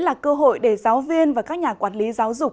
là cơ hội để giáo viên và các nhà quản lý giáo dục